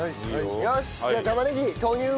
よしじゃあ玉ねぎ投入。